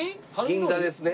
銀座ですね。